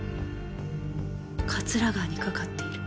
桂川にかかっている。